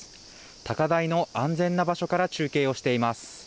高台の安全な場所から中継をしています。